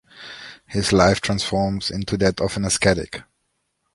His life transforms into that of an ascetic.